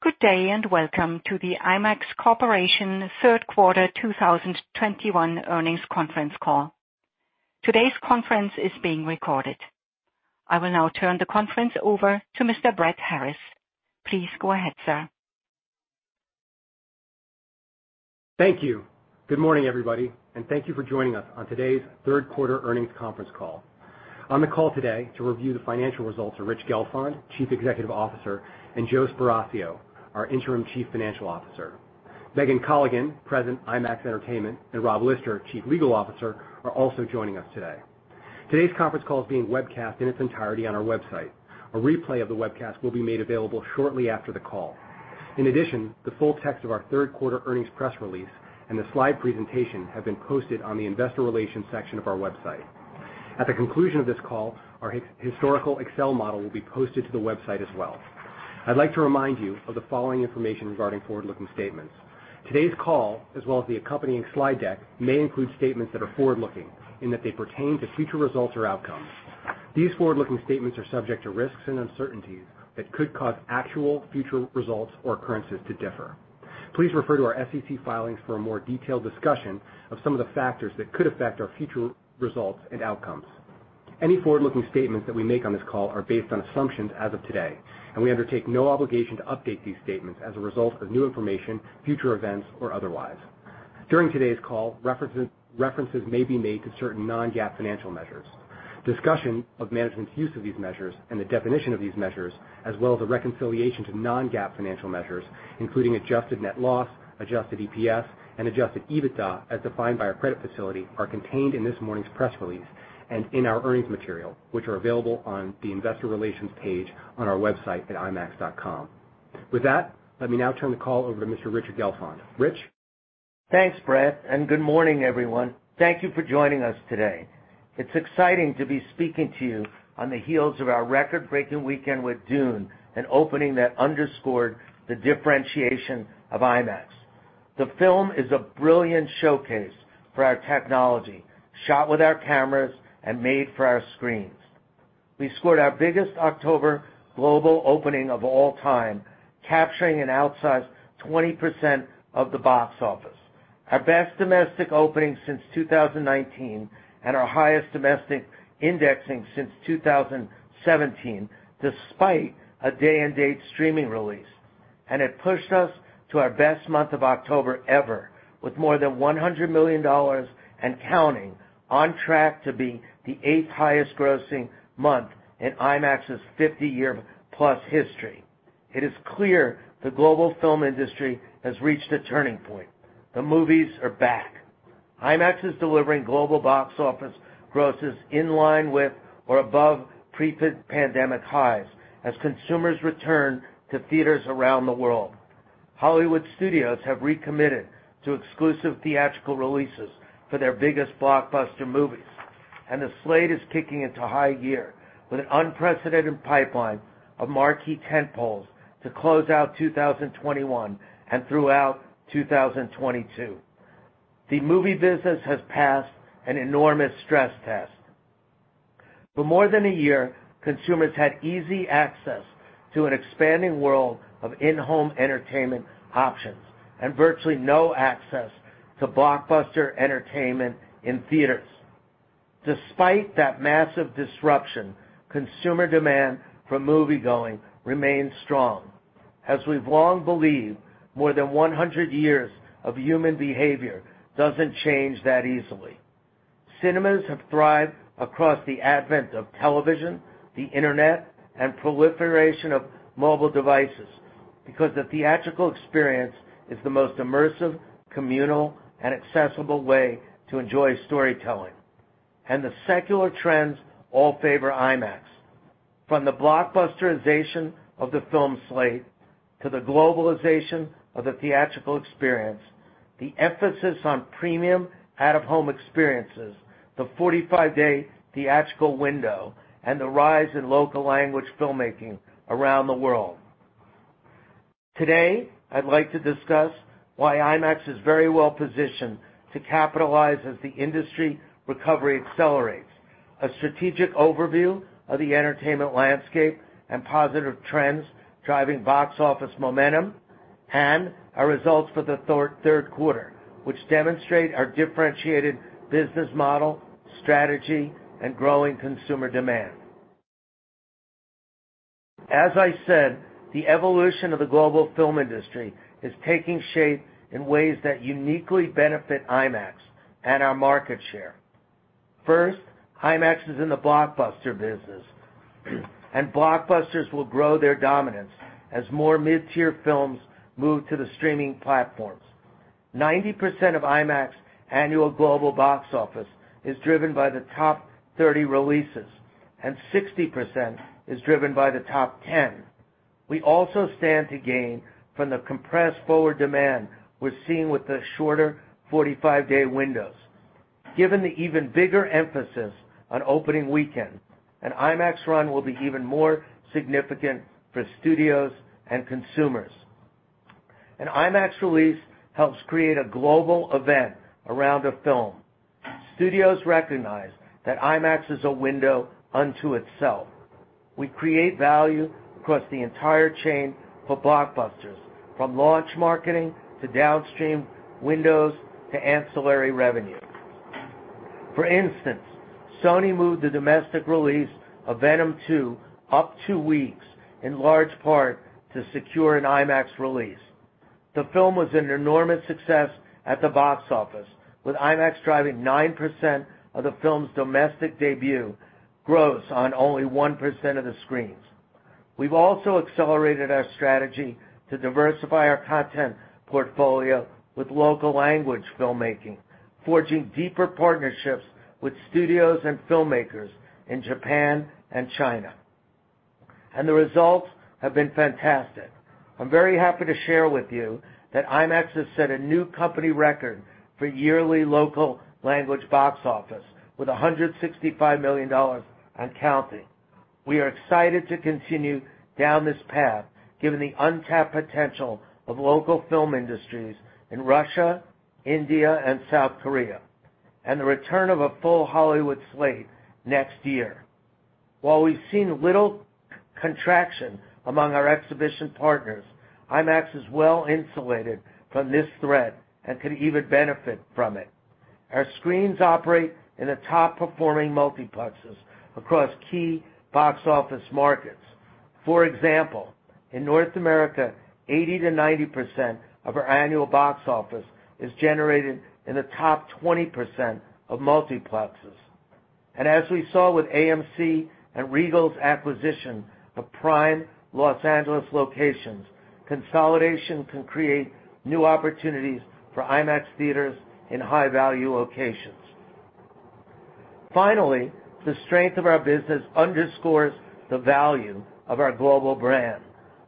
Good day, and welcome to the IMAX Corporation third quarter 2021 earnings conference call. Today's conference is being recorded. I will now turn the conference over to Mr. Brett Harriss. Please go ahead, sir. Thank you. Good morning, everybody, and thank you for joining us on today's third quarter earnings conference call. On the call today to review the financial results are Rich Gelfond, Chief Executive Officer, and Joe Sparacio, our interim Chief Financial Officer. Megan Colligan, President, IMAX Entertainment, and Rob Lister, Chief Legal Officer, are also joining us today. Today's conference call is being webcast in its entirety on our website. A replay of the webcast will be made available shortly after the call. In addition, the full text of our third quarter earnings press release and the slide presentation have been posted on the investor relations section of our website. At the conclusion of this call, our historical Excel model will be posted to the website as well. I'd like to remind you of the following information regarding forward-looking statements. Today's call, as well as the accompanying slide deck, may include statements that are forward-looking and that they pertain to future results or outcomes. These forward-looking statements are subject to risks and uncertainties that could cause actual future results or occurrences to differ. Please refer to our SEC filings for a more detailed discussion of some of the factors that could affect our future results and outcomes. Any forward-looking statements that we make on this call are based on assumptions as of today, and we undertake no obligation to update these statements as a result of new information, future events, or otherwise. During today's call, references may be made to certain non-GAAP financial measures. Discussion of management's use of these measures and the definition of these measures, as well as a reconciliation to non-GAAP financial measures, including adjusted net loss, adjusted EPS, and adjusted EBITDA as defined by our credit facility, are contained in this morning's press release and in our earnings material, which are available on the investor relations page on our website at imax.com. With that, let me now turn the call over to Mr. Rich Gelfond. Rich. Thanks, Brett, and good morning, everyone. Thank you for joining us today. It's exciting to be speaking to you on the heels of our record-breaking weekend with Dune, an opening that underscored the differentiation of IMAX. The film is a brilliant showcase for our technology, shot with our cameras and made for our screens. We scored our biggest October global opening of all time, capturing an outsized 20% of the box office. Our best domestic opening since 2019, and our highest domestic indexing since 2017, despite a day-and-date streaming release. It pushed us to our best month of October ever, with more than $100 million and counting, on track to be the eighth highest grossing month in IMAX's 50+ years history. It is clear the global film industry has reached a turning point. The movies are back. IMAX is delivering global box office grosses in line with or above pre-pandemic highs as consumers return to theaters around the world. Hollywood studios have recommitted to exclusive theatrical releases for their biggest blockbuster movies, and the slate is kicking into high gear with an unprecedented pipeline of marquee tentpoles to close out 2021 and throughout 2022. The movie business has passed an enormous stress test. For more than a year, consumers had easy access to an expanding world of in-home entertainment options and virtually no access to blockbuster entertainment in theaters. Despite that massive disruption, consumer demand for moviegoing remains strong. As we've long believed, more than 100 years of human behavior doesn't change that easily. Cinemas have thrived across the advent of television, the internet, and proliferation of mobile devices because the theatrical experience is the most immersive, communal, and accessible way to enjoy storytelling. The secular trends all favor IMAX. From the blockbusterization of the film slate to the globalization of the theatrical experience, the emphasis on premium out-of-home experiences, the 45-day theatrical window, and the rise in local language filmmaking around the world. Today, I'd like to discuss why IMAX is very well-positioned to capitalize as the industry recovery accelerates. A strategic overview of the entertainment landscape and positive trends driving box office momentum and our results for the third quarter, which demonstrate our differentiated business model, strategy, and growing consumer demand. As I said, the evolution of the global film industry is taking shape in ways that uniquely benefit IMAX and our market share. First, IMAX is in the blockbuster business, and blockbusters will grow their dominance as more mid-tier films move to the streaming platforms. 90% of IMAX annual global box office is driven by the Top 30 releases and 60% is driven by the Top 10. We also stand to gain from the compressed forward demand we're seeing with the shorter 45-day windows. Given the even bigger emphasis on opening weekend, an IMAX run will be even more significant for studios and consumers. An IMAX release helps create a global event around a film. Studios recognize that IMAX is a window unto itself. We create value across the entire chain for blockbusters, from launch marketing to downstream windows to ancillary revenue. For instance, Sony moved the domestic release of Venom 2 up two weeks, in large part to secure an IMAX release. The film was an enormous success at the box office, with IMAX driving 9% of the film's domestic debut gross on only 1% of the screens. We've also accelerated our strategy to diversify our content portfolio with local language filmmaking, forging deeper partnerships with studios and filmmakers in Japan and China. The results have been fantastic. I'm very happy to share with you that IMAX has set a new company record for yearly local language box office with $165 million and counting. We are excited to continue down this path given the untapped potential of local film industries in Russia, India, and South Korea, and the return of a full Hollywood slate next year. While we've seen little contraction among our exhibition partners, IMAX is well-insulated from this threat and could even benefit from it. Our screens operate in the top-performing multiplexes across key box office markets. For example, in North America, 80%-90% of our annual box office is generated in the Top 20% of multiplexes. As we saw with AMC and Regal's acquisition of prime Los Angeles locations, consolidation can create new opportunities for IMAX theaters in high-value locations. Finally, the strength of our business underscores the value of our global brand.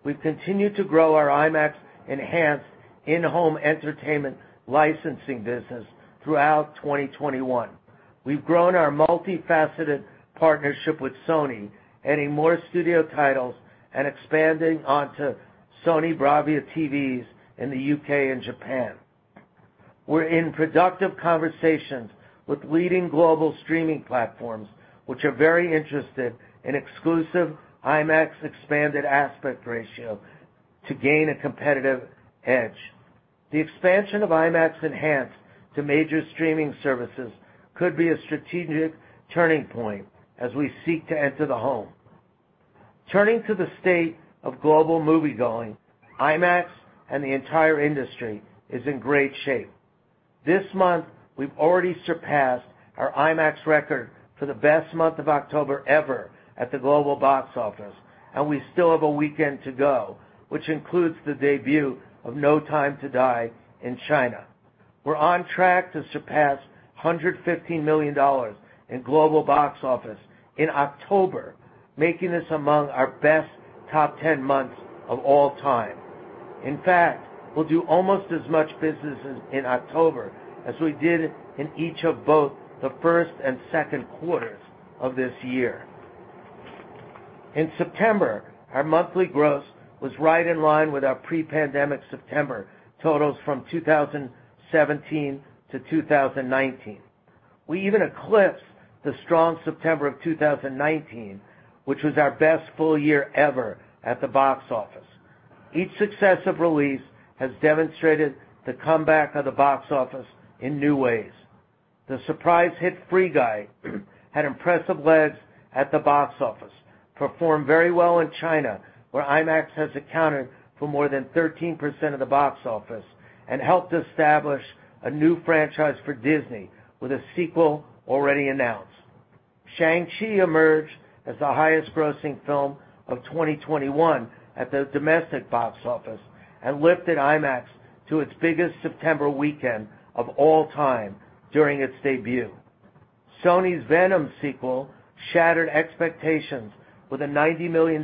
We've continued to grow our IMAX Enhanced in-home entertainment licensing business throughout 2021. We've grown our multifaceted partnership with Sony, adding more studio titles and expanding onto Sony BRAVIA TVs in the U.K. and Japan. We're in productive conversations with leading global streaming platforms, which are very interested in exclusive IMAX expanded aspect ratio to gain a competitive edge. The expansion of IMAX Enhanced to major streaming services could be a strategic turning point as we seek to enter the home. Turning to the state of global moviegoing, IMAX and the entire industry is in great shape. This month, we've already surpassed our IMAX record for the best month of October ever at the global box office, and we still have a weekend to go, which includes the debut of No Time to Die in China. We're on track to surpass $115 million in global box office in October, making this among our best top ten months of all time. In fact, we'll do almost as much business in October as we did in each of both the first and second quarters of this year. In September, our monthly gross was right in line with our pre-pandemic September totals from 2017 to 2019. We even eclipsed the strong September of 2019, which was our best full-year ever at the box office. Each successive release has demonstrated the comeback of the box office in new ways. The surprise hit Free Guy had impressive legs at the box office, performed very well in China, where IMAX has accounted for more than 13% of the box office and helped establish a new franchise for Disney with a sequel already announced. Shang-Chi emerged as the highest-grossing film of 2021 at the domestic box office and lifted IMAX to its biggest September weekend of all time during its debut. Sony's Venom sequel shattered expectations with a $90 million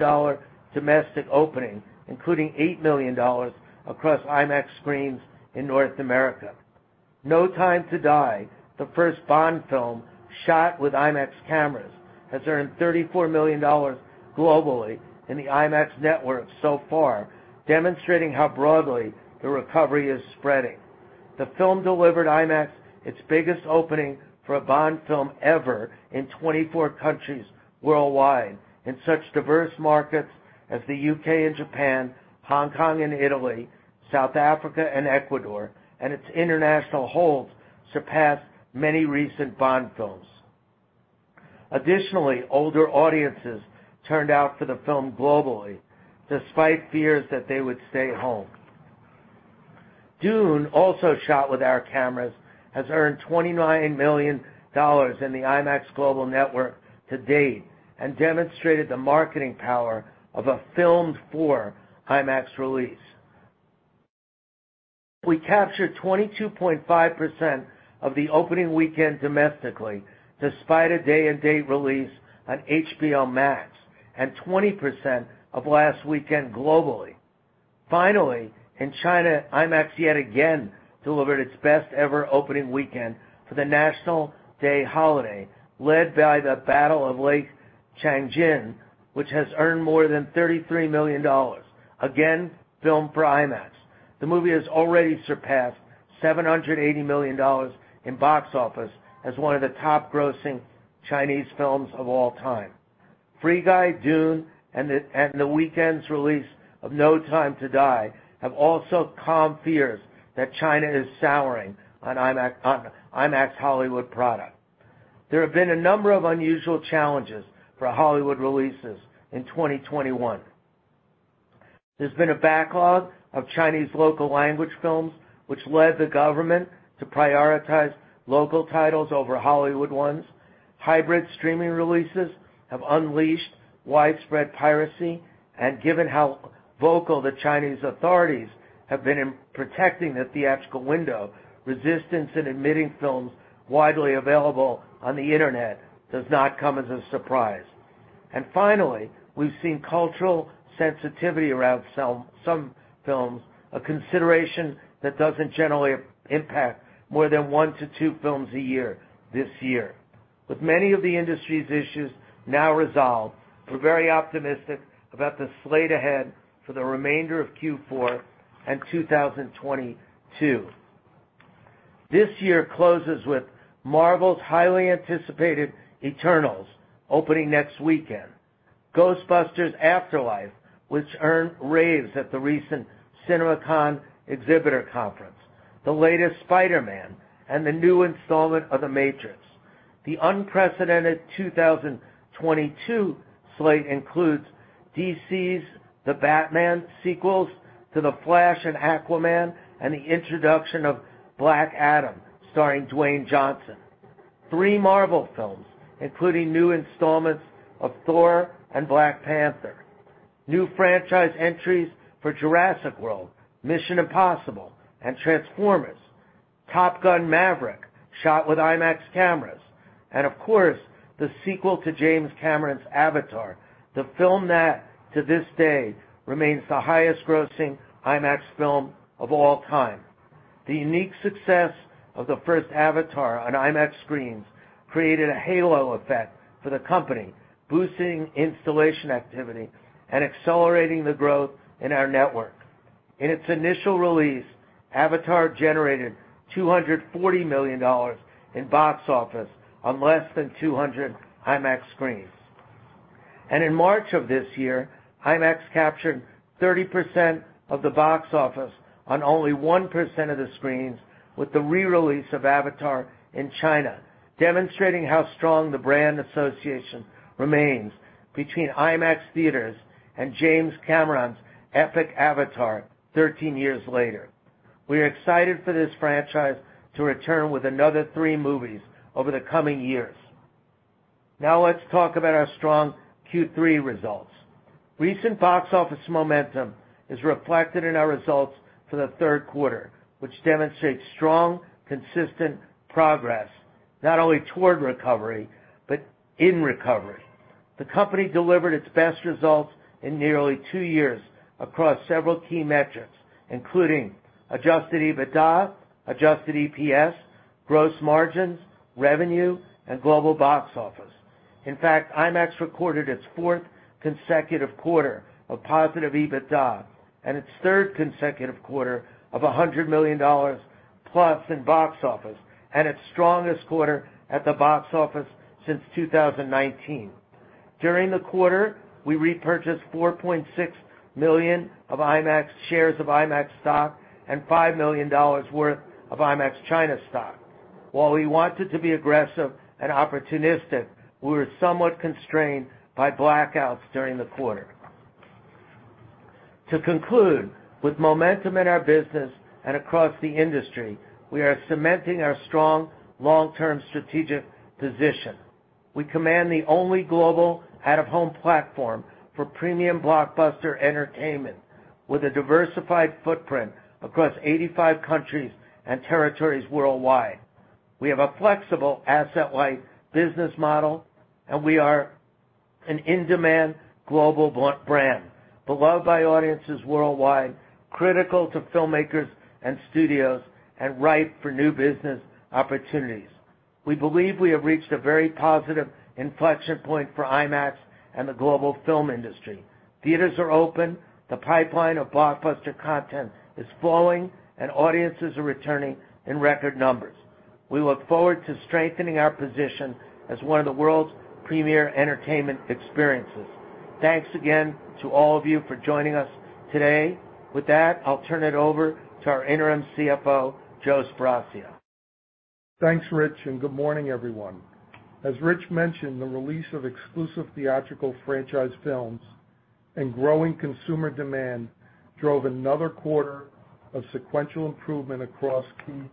domestic opening, including $8 million across IMAX screens in North America. No Time to Die, the first Bond film shot with IMAX cameras, has earned $34 million globally in the IMAX network so far, demonstrating how broadly the recovery is spreading. The film delivered IMAX its biggest opening for a Bond film ever in 24 countries worldwide in such diverse markets as the U.K. and Japan, Hong Kong and Italy, South Africa and Ecuador, and its international holds surpassed many recent Bond films. Additionally, older audiences turned out for the film globally despite fears that they would stay home. Dune, also shot with our cameras, has earned $29 million in the IMAX global network to date and demonstrated the marketing power of a film for IMAX release. We captured 22.5% of the opening weekend domestically despite a day-and-date release on HBO Max and 20% of last weekend globally. Finally, in China, IMAX yet again delivered its best-ever opening weekend for the National Day holiday, led by The Battle at Lake Changjin, which has earned more than $33 million, again, Filmed For IMAX. The movie has already surpassed $780 million in box office as one of the top-grossing Chinese films of all time. Free Guy, Dune, and the weekend's release of No Time to Die, have also calmed fears that China is souring on IMAX, on IMAX Hollywood product. There have been a number of unusual challenges for Hollywood releases in 2021. There's been a backlog of Chinese local language films, which led the government to prioritize local titles over Hollywood ones. Hybrid streaming releases have unleashed widespread piracy. Given how vocal the Chinese authorities have been in protecting the theatrical window, resistance in admitting films widely available on the internet does not come as a surprise. Finally, we've seen cultural sensitivity around some films, a consideration that doesn't generally impact more than one to two films a year this year. With many of the industry's issues now resolved, we're very optimistic about the slate ahead for the remainder of Q4 and 2022. This year closes with Marvel's highly anticipated Eternals opening next weekend, Ghostbusters: Afterlife, which earned raves at the recent CinemaCon exhibitor conference, the latest Spider-Man, and the new installment of The Matrix. The unprecedented 2022 slate includes DC's The Batman sequels to The Flash and Aquaman, and the introduction of Black Adam, starring Dwayne Johnson. Three Marvel films, including new installments of Thor and Black Panther. New franchise entries for Jurassic World, Mission: Impossible, and Transformers. Top Gun: Maverick, shot with IMAX cameras. Of course, the sequel to James Cameron's Avatar, the film that, to this day, remains the highest grossing IMAX film of all time. The unique success of the first Avatar on IMAX screens created a halo effect for the company, boosting installation activity and accelerating the growth in our network. In its initial release, Avatar generated $240 million in box office on less than 200 IMAX screens. In March of this year, IMAX captured 30% of the box office on only 1% of the screens with the re-release of Avatar in China, demonstrating how strong the brand association remains between IMAX theaters and James Cameron's epic Avatar 13 years later. We are excited for this franchise to return with another three movies over the coming years. Now let's talk about our strong Q3 results. Recent box office momentum is reflected in our results for the third quarter, which demonstrates strong, consistent progress, not only toward recovery, but in recovery. The company delivered its best results in nearly two years across several key metrics, including adjusted EBITDA, adjusted EPS, gross margins, revenue, and global box office. In fact, IMAX recorded its 4th consecutive quarter of positive EBITDA, and its 3rd consecutive quarter of $100+ million in box office, and its strongest quarter at the box office since 2019. During the quarter, we repurchased 4.6 million shares of IMAX stock and $5 million worth of IMAX China stock. While we wanted to be aggressive and opportunistic, we were somewhat constrained by blackouts during the quarter. To conclude, with momentum in our business and across the industry, we are cementing our strong long-term strategic position. We command the only global out-of-home platform for premium blockbuster entertainment with a diversified footprint across 85 countries and territories worldwide. We have a flexible asset-light business model, and we are an in-demand global brand, beloved by audiences worldwide, critical to filmmakers and studios, and ripe for new business opportunities. We believe we have reached a very positive inflection point for IMAX and the global film industry. Theaters are open, the pipeline of blockbuster content is flowing, and audiences are returning in record numbers. We look forward to strengthening our position as one of the world's premier entertainment experiences. Thanks again to all of you for joining us today. With that, I'll turn it over to our Interim CFO, Joe Sparacio. Thanks, Rich, and good morning, everyone. As Rich mentioned, the release of exclusive theatrical franchise films and growing consumer demand drove another quarter of sequential improvement across key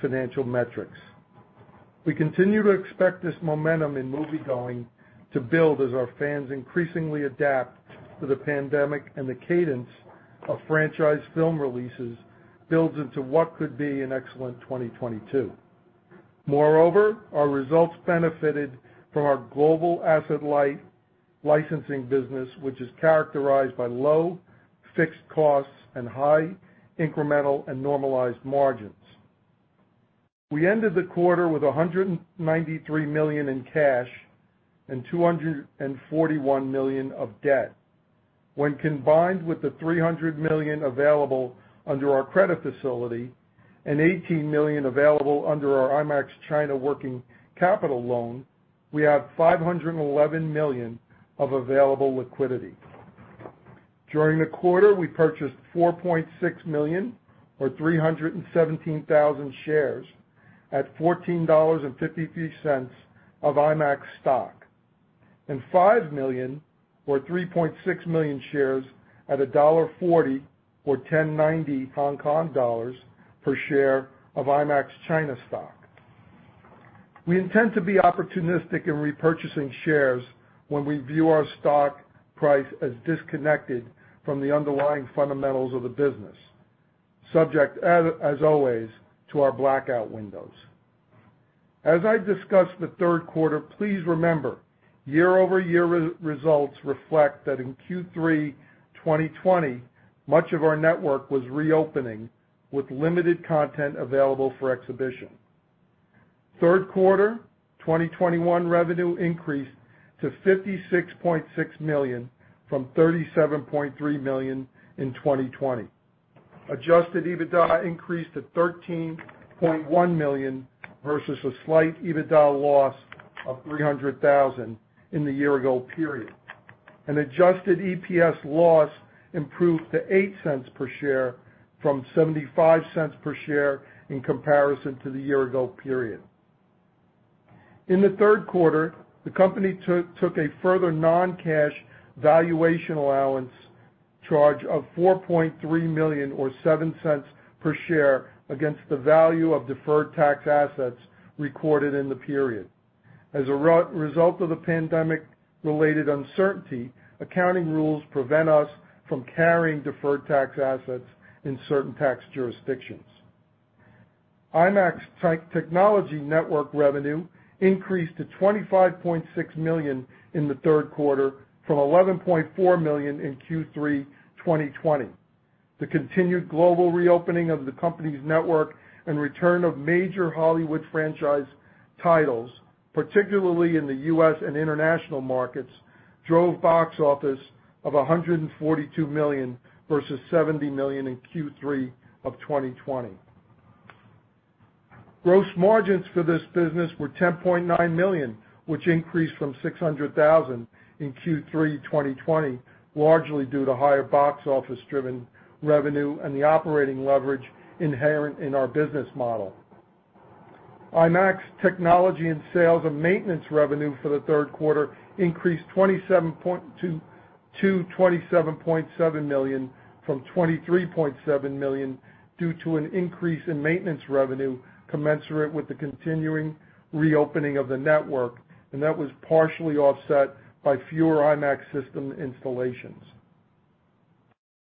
financial metrics. We continue to expect this momentum in moviegoing to build as our fans increasingly adapt to the pandemic and the cadence of franchise film releases builds into what could be an excellent 2022. Moreover, our results benefited from our global asset-light licensing business, which is characterized by low fixed costs and high incremental and normalized margins. We ended the quarter with $193 million in cash and $241 million of debt. When combined with the $300 million available under our credit facility and $18 million available under our IMAX China working capital loan, we have $511 million of available liquidity. During the quarter, we purchased $4.6 million, or 317,000 shares at $14.53 of IMAX stock, and $5 million or 3.6 million shares at $1.40 or HKD 10.90 per share of IMAX China stock. We intend to be opportunistic in repurchasing shares when we view our stock price as disconnected from the underlying fundamentals of the business, subject, as always, to our blackout windows. As I discussed, the third quarter, please remember, year-over-year results reflect that in Q3 2020, much of our network was reopening with limited content available for exhibition. Third quarter 2021 revenue increased to $56.6 million from $37.3 million in 2020. Adjusted EBITDA increased to $13.1 million versus a slight EBITDA loss of $300,000 in the year-ago period. An adjusted EPS loss improved to $0.08 per share from $0.75 per share in comparison to the year-ago period. In the third quarter, the company took a further non-cash valuation allowance charge of $4.3 million or $0.07 per share against the value of deferred tax assets recorded in the period. As a result of the pandemic-related uncertainty, accounting rules prevent us from carrying deferred tax assets in certain tax jurisdictions. IMAX Technology Network revenue increased to $25.6 million in the third quarter from $11.4 million in Q3 2020. The continued global reopening of the company's network and return of major Hollywood franchise titles, particularly in the U.S. and international markets, drove box office of $142 million versus $70 million in Q3 of 2020. Gross margins for this business were $10.9 million, which increased from $600,000 in Q3 2020, largely due to higher box office-driven revenue and the operating leverage inherent in our business model. IMAX technology and sales and maintenance revenue for the third quarter increased $27.2 million-$27.7 million from $23.7 million due to an increase in maintenance revenue commensurate with the continuing reopening of the network, and that was partially offset by fewer IMAX system installations.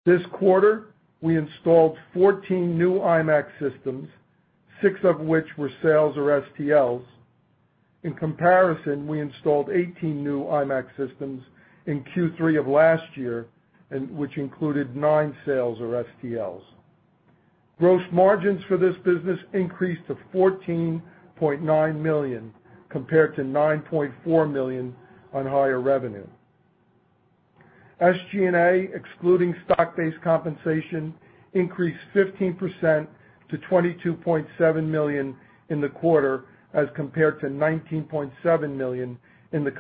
This quarter, we installed 14 new IMAX systems, six of which were sales or STLs. In comparison, we installed 18 new IMAX systems in Q3 of last year, which included nine sales or STLs. Gross margins for this business increased to $14.9 million compared to $9.4 million on higher revenue. SG&A, excluding stock-based compensation, increased 15% to $22.7 million in the quarter as compared to $19.7 million in the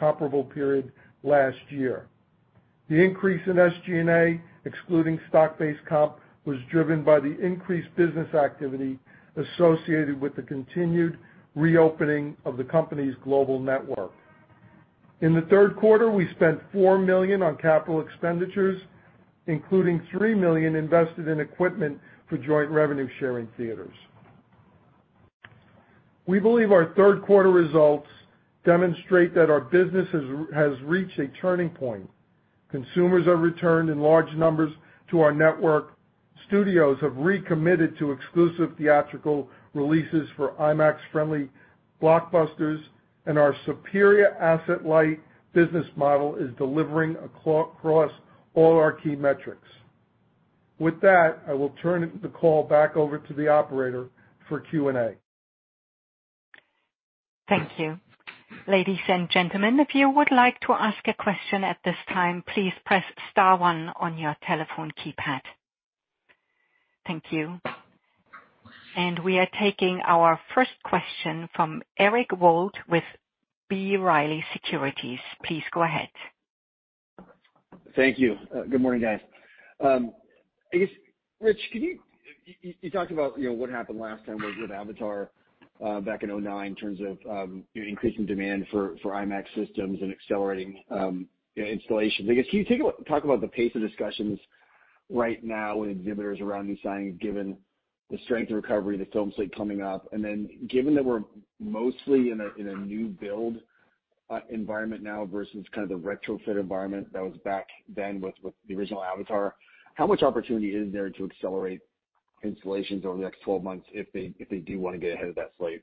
comparable period last year. The increase in SG&A, excluding stock-based comp, was driven by the increased business activity associated with the continued reopening of the company's global network. In the third quarter, we spent $4 million on capital expenditures, including $3 million invested in equipment for joint revenue-sharing theaters. We believe our third quarter results demonstrate that our business has reached a turning point. Consumers have returned in large numbers to our network. Studios have recommitted to exclusive theatrical releases for IMAX-friendly blockbusters, and our superior asset-light business model is delivering across all our key metrics. With that, I will turn the call back over to the operator for Q&A. We are taking our first question from Eric Wold with B. Riley Securities. Please go ahead. Thank you. Good morning, guys. I guess, Rich, can you talk about what happened last time with Avatar back in 2009 in terms of increasing demand for IMAX systems and accelerating installations. I guess, can you talk about the pace of discussions right now with exhibitors regarding signing, given the strength of recovery, the film slate coming up? Then given that we're mostly in a new build environment now versus the retrofit environment that was back then with the original Avatar, how much opportunity is there to accelerate installations over the next 12 months if they do wanna get ahead of that slate?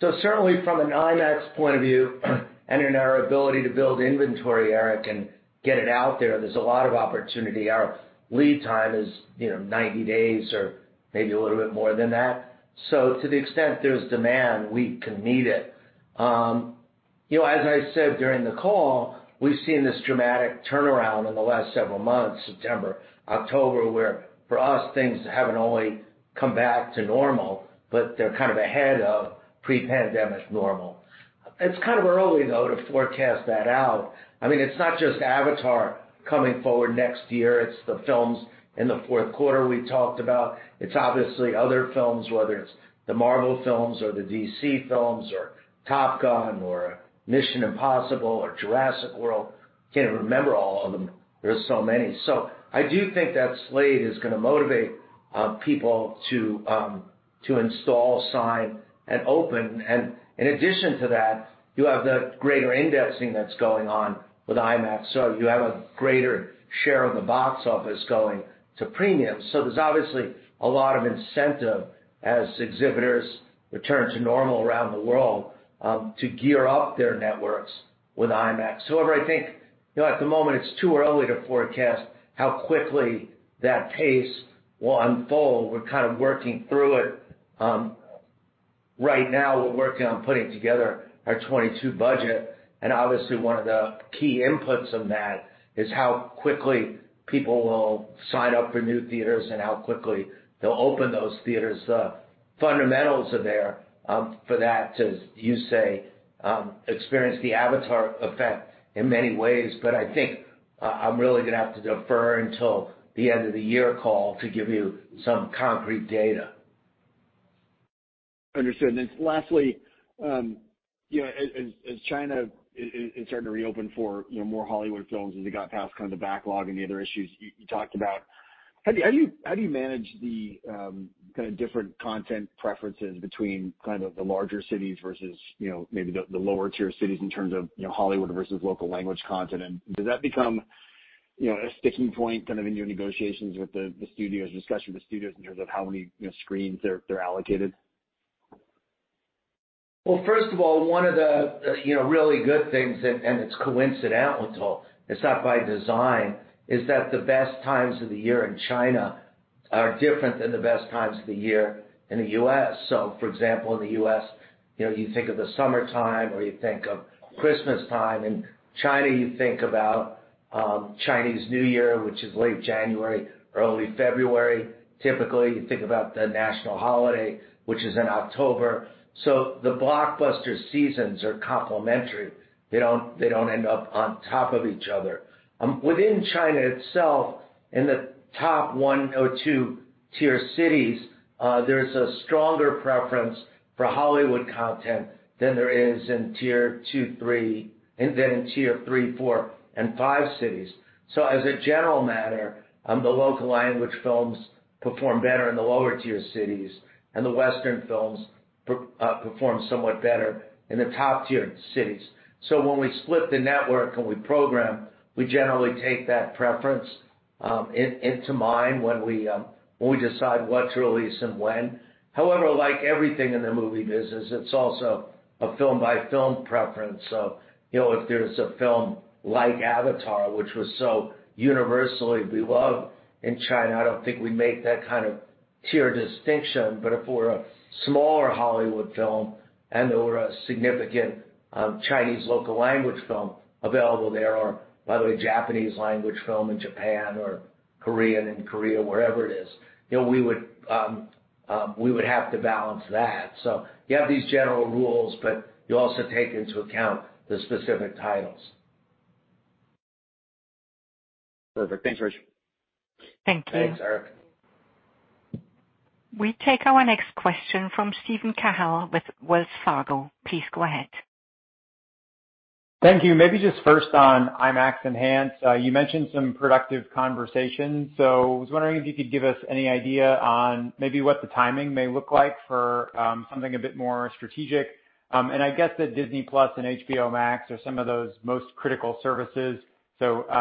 Certainly from an IMAX point of view and in our ability to build inventory, Eric, and get it out there's a lot of opportunity. Our lead time is, you know, 90 days or maybe a little bit more than that. To the extent there's demand, we can meet it. You know, as I said during the call, we've seen this dramatic turnaround in the last several months, September, October, where for us, things haven't only come back to normal, but they're kind of ahead of pre-pandemic normal. It's kind of early though, to forecast that out. I mean, it's not just Avatar coming forward next year, it's the films in the fourth quarter we talked about. It's obviously other films, whether it's the Marvel films or the DC films, or Top Gun, or Mission: Impossible, or Jurassic World. Can't remember all of them. There are so many. I do think that slate is gonna motivate people to install, sign, and open. In addition to that, you have the greater indexing that's going on with IMAX, so you have a greater share of the box office going to premium. There's obviously a lot of incentive as exhibitors return to normal around the world to gear up their networks with IMAX. However, I think, you know, at the moment it's too early to forecast how quickly that pace will unfold. We're kind of working through it. Right now we're working on putting together our 2022 budget, and obviously one of the key inputs in that is how quickly people will sign up for new theaters and how quickly they'll open those theaters up. Fundamentals are there, for that to, as you say, experience the Avatar effect in many ways. I think, I'm really gonna have to defer until the end of the year call to give you some concrete data. Understood. Then lastly, you know, as China is starting to reopen for, you know, more Hollywood films as they got past kind of the backlog and the other issues you talked about, how do you manage the kind of different content preferences between kind of the larger cities versus, you know, maybe the lower tier cities in terms of, you know, Hollywood versus local language content? Does that become, you know, a sticking point kind of in your negotiations with the studios, discussion with studios in terms of how many, you know, screens they're allocated? Well, first of all, one of the, you know, really good things and it's coincidental, it's not by design, is that the best times of the year in China are different than the best times of the year in the U.S. For example, in the U.S., you know, you think of the summertime or you think of Christmas time. In China you think about Chinese New Year, which is late January, early February. Typically, you think about the national holiday, which is in October. The blockbuster seasons are complementary. They don't end up on top of each other. Within China itself, in the Top one or two tier cities, there's a stronger preference for Hollywood content than there is in Tier 2/3. Then in Tier 3, 4, and 5 cities. As a general matter, the local language films perform better in the lower tier cities, and the Western films perform somewhat better in the top tier cities. When we split the network and we program, we generally take that preference in mind when we decide what to release and when. However, like everything in the movie business, it's also a film by film preference. You know, if there's a film like Avatar, which was so universally beloved in China, I don't think we'd make that kind of tier distinction. But if we're a smaller Hollywood film and there were a significant Chinese local language film available there, or by the way, Japanese language film in Japan or Korean in Korea, wherever it is, you know, we would have to balance that. You have these general rules, but you also take into account the specific titles. Perfect. Thanks, Rich. Thank you. Thanks, Eric. We take our next question from Steven Cahall with Wells Fargo. Please go ahead. Thank you. Maybe just first on IMAX Enhanced. You mentioned some productive conversations. I was wondering if you could give us any idea on maybe what the timing may look like for something a bit more strategic. And I guess that Disney+ and HBO Max are some of those most critical services.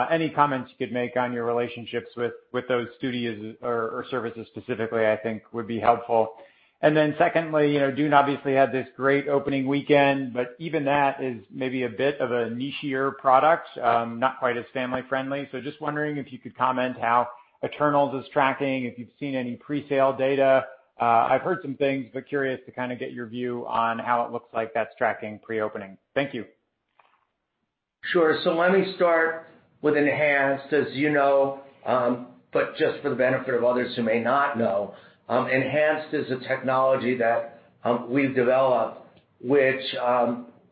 Any comments you could make on your relationships with those studios or services specifically, I think would be helpful. Then secondly, you know, Dune obviously had this great opening weekend, but even that is maybe a bit of a nichier product, not quite as family friendly. Just wondering if you could comment how Eternals is tracking, if you've seen any presale data. I've heard some things, but curious to kind of get your view on how it looks like that's tracking pre-opening. Thank you. Sure. Let me start with enhanced, as you know, but just for the benefit of others who may not know, enhanced is a technology that we've developed which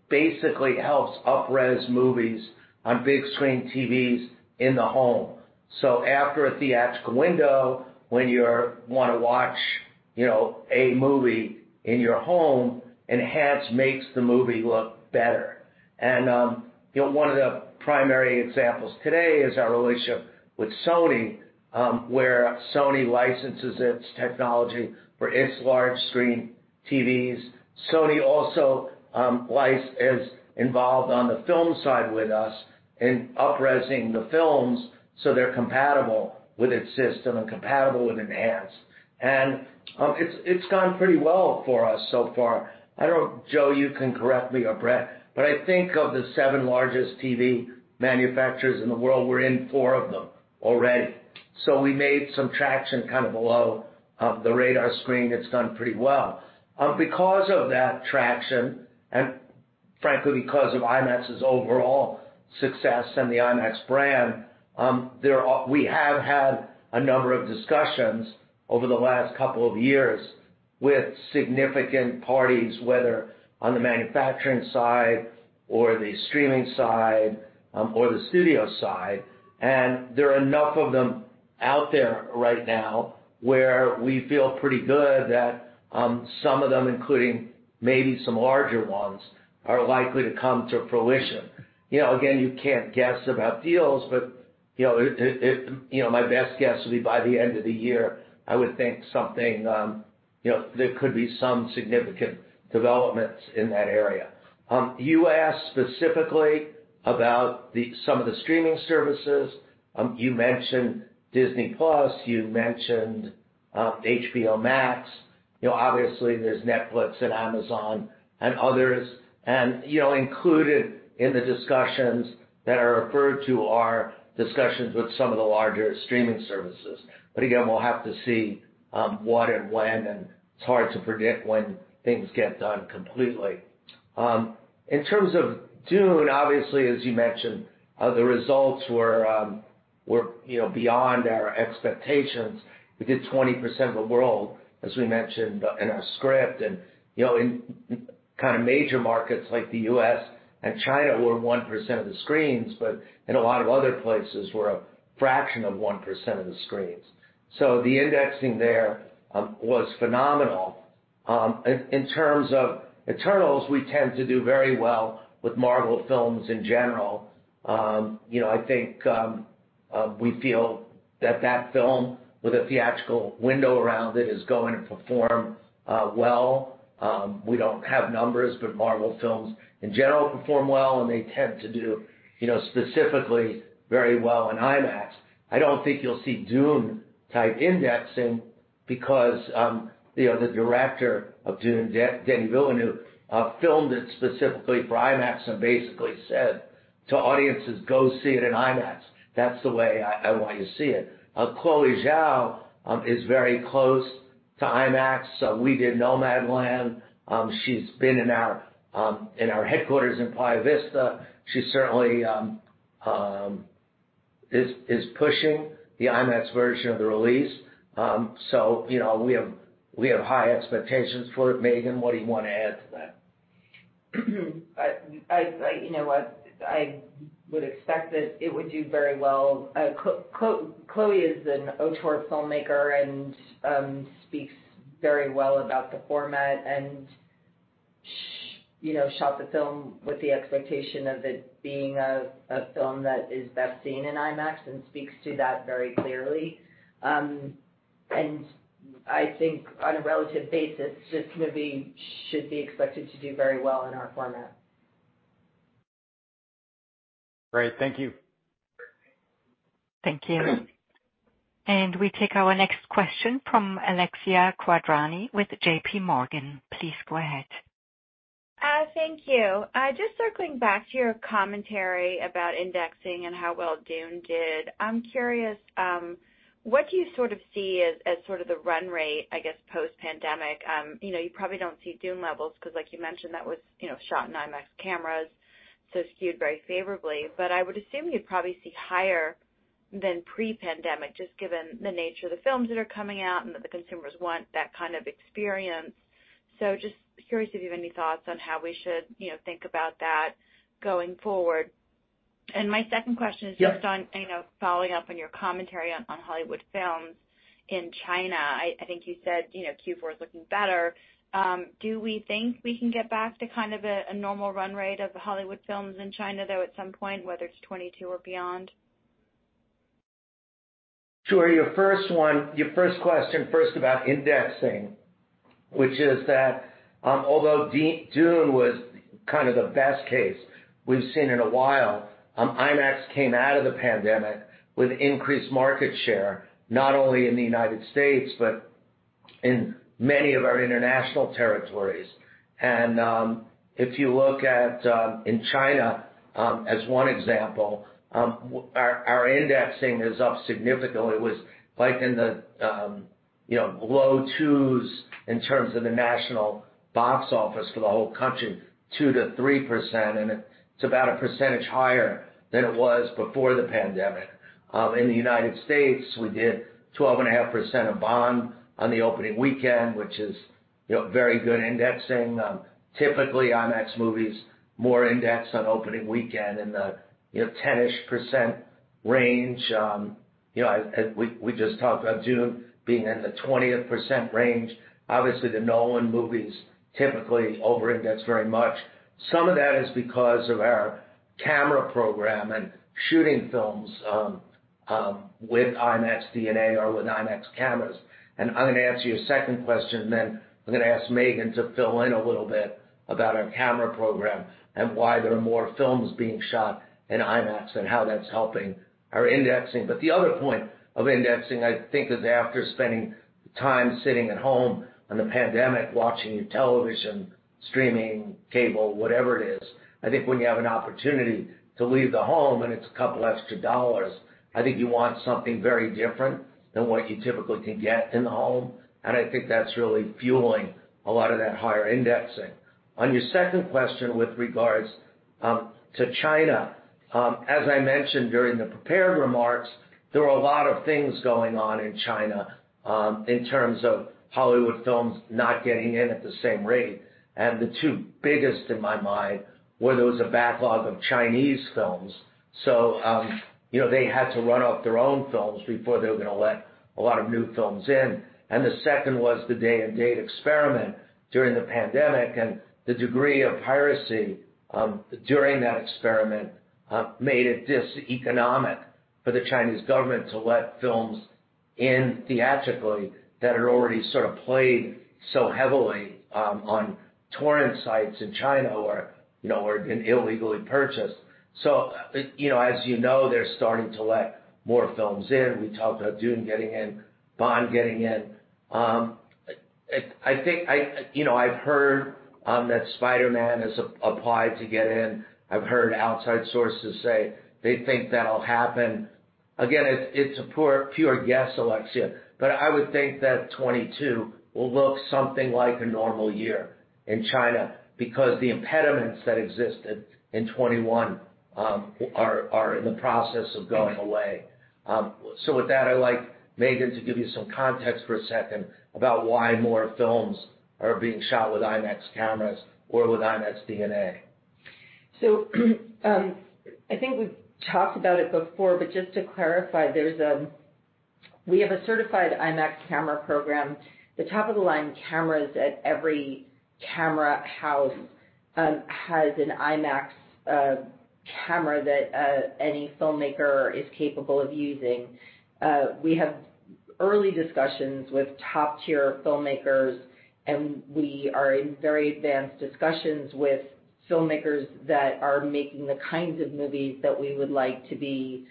basically helps up-res movies on big screen TVs in the home. After a theatrical window when you wanna watch, you know, a movie in your home, enhanced makes the movie look better. You know, one of the primary examples today is our relationship with Sony, where Sony licenses its technology for its large screen TVs. Sony also is involved on the film side with us in up-resing the films, so they're compatible with its system and compatible with enhanced. It's gone pretty well for us so far. I don't know, Joe, you can correct me or Brett, but I think of the seven largest TV manufacturers in the world, we're in four of them already. So we made some traction kind of below the radar screen. It's done pretty well. Because of that traction and frankly, because of IMAX's overall success and the IMAX brand, we have had a number of discussions over the last couple of years with significant parties, whether on the manufacturing side or the streaming side, or the studio side. There are enough of them out there right now where we feel pretty good that, some of them, including maybe some larger ones, are likely to come to fruition. You know, again, you can't guess about deals, but, you know, it. You know, my best guess will be by the end of the year. I would think something, you know, there could be some significant developments in that area. You asked specifically about some of the streaming services. You mentioned Disney+, you mentioned HBO Max. You know, obviously, there's Netflix and Amazon and others. You know, included in the discussions that are referred to are discussions with some of the larger streaming services. But again, we'll have to see what and when, and it's hard to predict when things get done completely. In terms of Dune, obviously, as you mentioned, the results were, you know, beyond our expectations. We did 20% of the world, as we mentioned in our script. In kind of major markets like the U.S. and China, we're 1% of the screens, but in a lot of other places, we're a fraction of one percent of the screens. The indexing there was phenomenal. In terms of Eternals, we tend to do very well with Marvel films in general. You know, I think we feel that that film with a theatrical window around it is going to perform well. We don't have numbers, but Marvel films in general perform well, and they tend to do, you know, specifically very well in IMAX. I don't think you'll see Dune-type indexing because, you know, the director of Dune, Den Villeneuve, filmed it specifically for IMAX and basically said to audiences, Go see it in IMAX. That's the way I want you to see it. Chloé Zhao is very close to IMAX. We did Nomadland. She's been in our headquarters in Playa Vista. She certainly is pushing the IMAX version of the release. You know, we have high expectations for it. Megan, what do you wanna add to that? You know what? I would expect that it would do very well. Chloé is an auteur filmmaker and speaks very well about the format and she, you know, shot the film with the expectation of it being a film that is best seen in IMAX and speaks to that very clearly. I think on a relative basis, this movie should be expected to do very well in our format. Great. Thank you. Thank you. We take our next question from Alexia Quadrani with JPMorgan. Please go ahead. Thank you. Just circling back to your commentary about indexing and how well Dune did. I'm curious what you sort of see as sort of the run rate, I guess, post-pandemic. You know, you probably don't see Dune levels 'cause like you mentioned, that was, you know, shot in IMAX cameras, so it's skewed very favorably. But I would assume you'd probably see higher than pre-pandemic, just given the nature of the films that are coming out and that the consumers want that kind of experience. So just curious if you have any thoughts on how we should, you know, think about that going forward. And my second question is- Yeah. Just on, you know, following up on your commentary on Hollywood films in China. I think you said, you know, Q4 is looking better. Do we think we can get back to kind of a normal run rate of Hollywood films in China, though, at some point, whether it's 2022 or beyond? Sure. Your first one, your first question first about indexing, which is that, although Dune was kind of the best case we've seen in a while, IMAX came out of the pandemic with increased market share, not only in the United States, but in many of our international territories. If you look at in China, as one example, our indexing is up significantly. It was like in the, you know, low 2s in terms of the national box office for the whole country, 2%-3%, and it's about 1% higher than it was before the pandemic. In the United States, we did 12.5% of Bond on the opening weekend, which is, you know, very good indexing. Typically, IMAX movies more index on opening weekend in the, you know, 10% range. You know, we just talked about Dune being in the 20% range. Obviously, the Nolan movies typically over-index very much. Some of that is because of our camera program and shooting films with IMAX DNA or with IMAX cameras. I'm gonna answer your second question, then I'm gonna ask Megan to fill in a little bit about our camera program and why there are more films being shot in IMAX and how that's helping our indexing. The other point of indexing, I think, is after spending time sitting at home in the pandemic watching your television, streaming, cable, whatever it is. I think when you have an opportunity to leave the home and it's a couple extra dollars, I think you want something very different than what you typically can get in the home, and I think that's really fueling a lot of that higher indexing. On your second question with regards to China, as I mentioned during the prepared remarks, there were a lot of things going on in China, in terms of Hollywood films not getting in at the same rate. The two biggest in my mind were there was a backlog of Chinese films, so, you know, they had to run off their own films before they were gonna let a lot of new films in. The second was the day-and-date experiment during the pandemic and the degree of piracy during that experiment made it diseconomic for the Chinese government to let films in theatrically that had already sort of played so heavily on torrent sites in China or, you know, or been illegally purchased. You know, as you know, they're starting to let more films in. We talked about Dune getting in, Bond getting in. I think, you know, I've heard that Spider-Man has applied to get in. I've heard outside sources say they think that'll happen. Again, it's a pure guess, Alexia, but I would think that 2022 will look something like a normal year in China because the impediments that existed in 2021 are in the process of going away. With that, I'd like Megan to give you some context for a second about why more films are being shot with IMAX cameras or with IMAX DNA. I think we've talked about it before, but just to clarify, we have a certified IMAX camera program. The top-of-the-line cameras at every camera house, has an IMAX camera that any filmmaker is capable of using. We have early discussions with top-tier filmmakers, and we are in very advanced discussions with filmmakers that are making the kinds of movies that we would like to be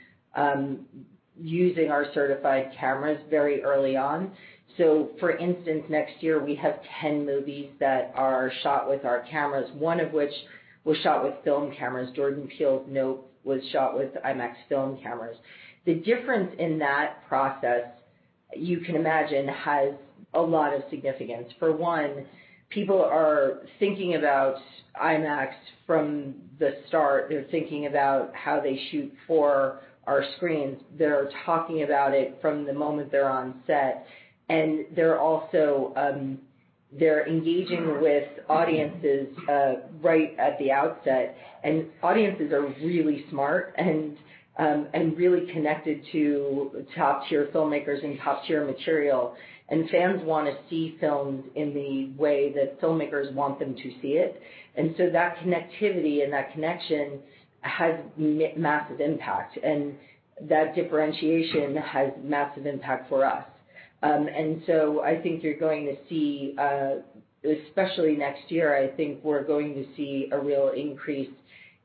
using our certified cameras very early on. For instance, next year we have 10 movies that are shot with our cameras, one of which was shot with film cameras. Jordan Peele's NOPE was shot with IMAX film cameras. The difference in that process, you can imagine, has a lot of significance. For one, people are thinking about IMAX from the start. They're thinking about how they shoot for our screens. They're talking about it from the moment they're on set. They're also engaging with audiences right at the outset. Audiences are really smart and really connected to top-tier filmmakers and top-tier material. Fans wanna see films in the way that filmmakers want them to see it. That connectivity and that connection has massive impact, and that differentiation has massive impact for us. I think you're going to see, especially next year, I think we're going to see a real increase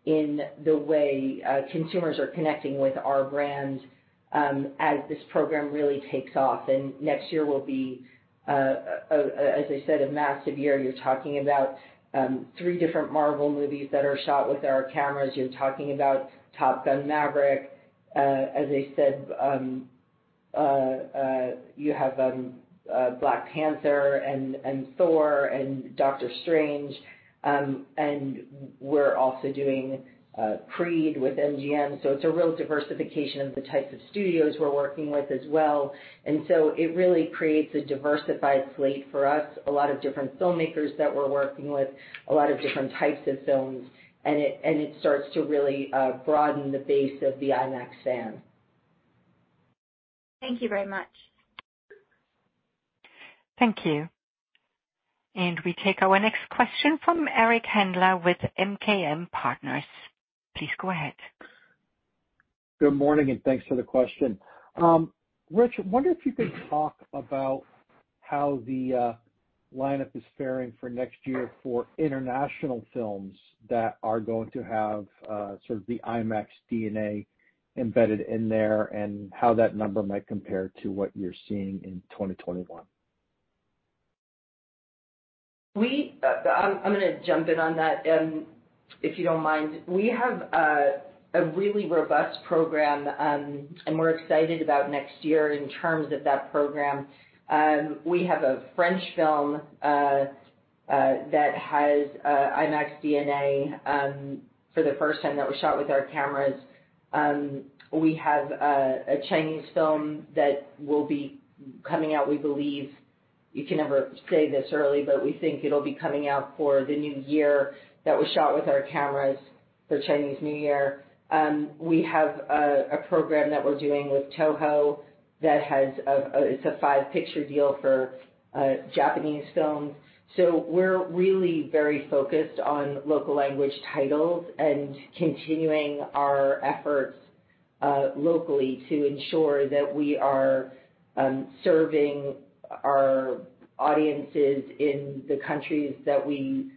in the way consumers are connecting with our brand, as this program really takes off. Next year will be, as I said, a massive year. You're talking about three different Marvel movies that are shot with our cameras. You're talking about Top Gun: Maverick. As I said, you have Black Panther and Thor and Doctor Strange. We're also doing Creed with MGM, so it's a real diversification of the types of studios we're working with as well. It really creates a diversified slate for us, a lot of different filmmakers that we're working with, a lot of different types of films, and it starts to really broaden the base of the IMAX fan. Thank you very much. Thank you. We take our next question from Eric Handler with MKM Partners. Please go ahead. Good morning, and thanks for the question. Rich, I wonder if you could talk about how the lineup is faring for next year for international films that are going to have sort of the IMAX DNA embedded in there and how that number might compare to what you're seeing in 2021. I'm gonna jump in on that, if you don't mind. We have a really robust program, and we're excited about next year in terms of that program. We have a French film that has IMAX DNA for the first time that was shot with our cameras. We have a Chinese film that will be coming out, we believe. You can never say this early, but we think it'll be coming out for the new year that was shot with our cameras for Chinese New Year. We have a program that we're doing with TOHO that has, it's a five-picture deal for Japanese films. We're really very focused on local language titles and continuing our efforts locally to ensure that we are serving our audiences in the countries that we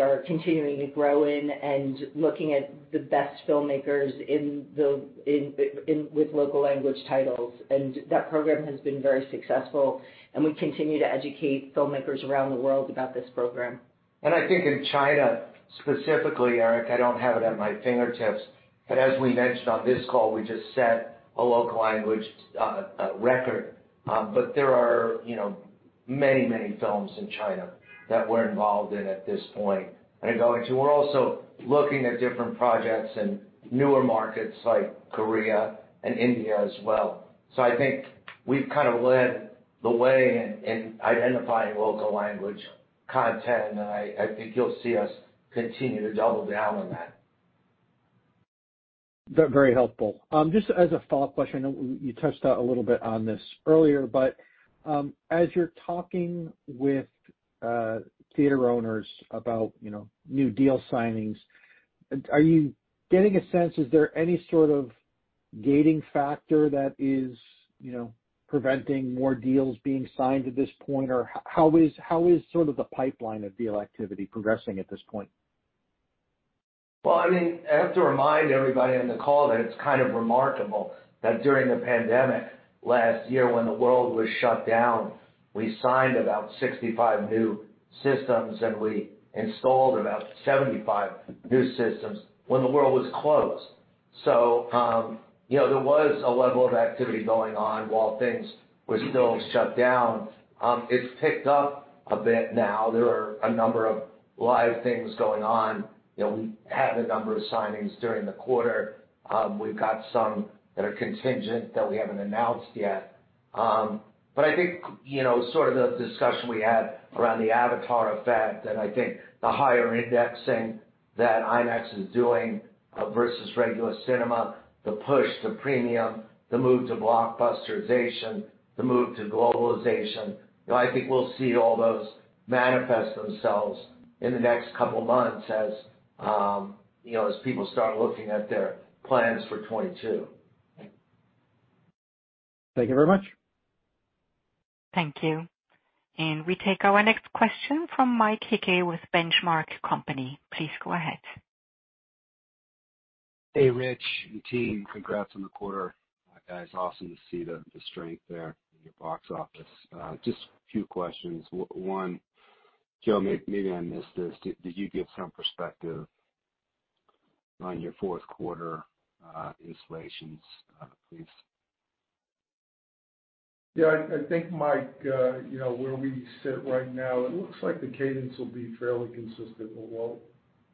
are continuing to grow in and looking at the best filmmakers in with local language titles. That program has been very successful, and we continue to educate filmmakers around the world about this program. I think in China, specifically, Eric, I don't have it at my fingertips, but as we mentioned on this call, we just set a local language record. There are, you know, many films in China that we're involved in at this point. We're also looking at different projects in newer markets like Korea and India as well. I think we've kind of led the way in identifying local language content, and I think you'll see us continue to double down on that. Very helpful. Just as a follow-up question, I know you touched a little bit on this earlier, but as you're talking with theater owners about, you know, new deal signings, are you getting a sense, is there any sort of gating factor that is, you know, preventing more deals being signed at this point? Or how is sort of the pipeline of deal activity progressing at this point? Well, I mean, I have to remind everybody on the call that it's kind of remarkable that during the pandemic last year when the world was shut down, we signed about 65 new systems, and we installed about 75 new systems when the world was closed. You know, there was a level of activity going on while things were still shut down. It's picked up a bit now. There are a number of live things going on. You know, we had a number of signings during the quarter. We've got some that are contingent that we haven't announced yet. But I think, you know, sort of the discussion we had around the Avatar effect and I think the higher indexing that IMAX is doing versus regular cinema, the push to premium, the move to blockbusterization, the move to globalization. You know, I think we'll see all those manifest themselves in the next couple of months as, you know, as people start looking at their plans for 2022. Thank you very much. Thank you. We take our next question from Mike Hickey with Benchmark Company. Please go ahead. Hey, Rich and team. Congrats on the quarter. It's awesome to see the strength there in your box office. Just a few questions. One, Joe, maybe I missed this. Did you give some perspective on your fourth quarter installations, please? Yeah. I think, Mike, you know, where we sit right now, it looks like the cadence will be fairly consistent with